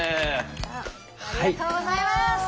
ありがとうございます！